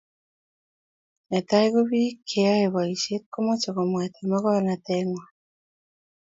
Netai ko bik che yae boishet komache komwaita magornatet ngwai